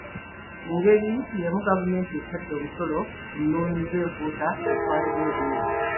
Mu ngeri y’emu gavumenti etadde omusolo ku nnuuni z’empuuta etwalibwa ebweru.